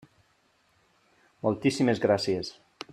Moltíssimes gràcies.